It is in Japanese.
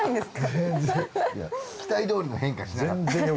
期待どおりの変化しなかった？